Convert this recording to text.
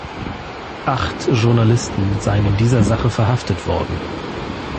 Acht Journalisten seien in dieser Sache verhaftet worden.